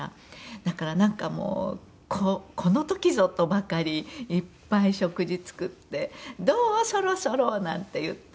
だからなんかもうこの時ぞとばかりいっぱい食事作って「どう？そろそろ」なんて言って。